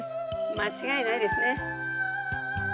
間違いないですね。